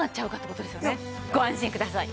ご安心ください。